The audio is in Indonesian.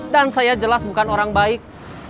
dan saya jelas bukan orang baik